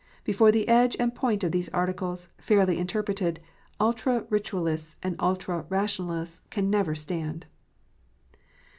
Before the edge and point of these Articles, fairly interpreted, ultra Ritualists and ultra Rationalists can never stand.